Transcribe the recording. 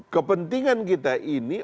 kepentingan kita ini